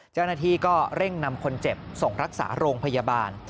เจ้าหน้าที่ก็เร่งนำคนเจ็บส่งรักษาโรงพยาบาล